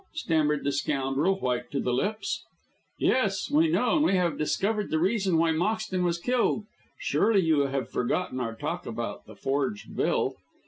stammered the scoundrel, white to the lips. "Yes, we know; and we have discovered the reason why Moxton was killed. Surely you have forgotten our talk about the forged bill.